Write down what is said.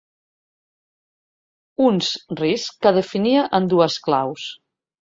Uns riscs que definia en dues claus.